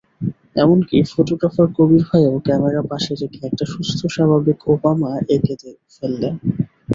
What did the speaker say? এমনকি ফটোগ্রাফার কবির ভাইও ক্যামেরা পাশে রেখে একটা সুস্থ-স্বাভাবিক ওবামা এঁকে ফেললেন।